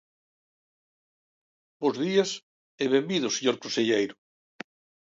Bos días e benvido, señor conselleiro.